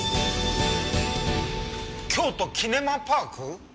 京都キネマパーク？